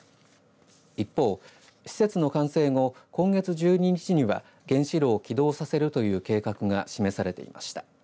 一方、施設の完成後今月１２日には原子炉を起動させるという計画が示されていました。